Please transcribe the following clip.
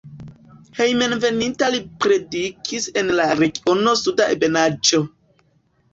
Hejmenveninta li predikis en la regiono Suda Ebenaĵo.